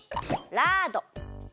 ラード。